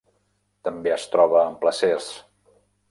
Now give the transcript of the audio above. També es troba en placers.